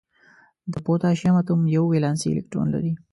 د پوتاشیم اتوم یو ولانسي الکترون لري.